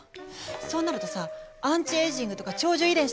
そうなるとさアンチエイジングとか長寿遺伝子とか